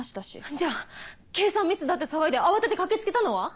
じゃあ計算ミスだって騒いで慌てて駆け付けたのは？